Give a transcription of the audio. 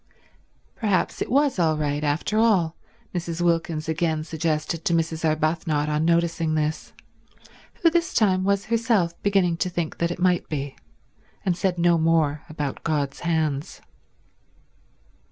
Perhaps it was all right after all, Mrs. Wilkins again suggested to Mrs. Arbuthnot on noticing this, who this time was herself beginning to think that it might be, and said no more about God's hands.